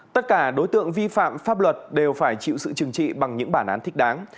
tất cả đối tượng vi phạm pháp luật đều phải chịu sự trừng trị bằng những bản án thích đáng